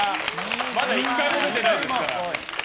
まだ１回も出てないですから。